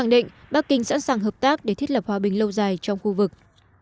định bắc kinh sẵn sàng hợp tác để thiết lập hòa bình lâu dài trong khu vực